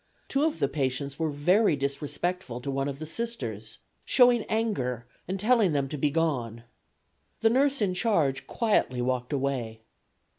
Two of the patients were very disrespectful to one of the Sisters, showing anger and telling them to begone. The nurse in charge quietly walked away.